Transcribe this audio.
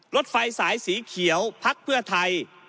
รถไฟสายสีเขียวพักเพื่อไทย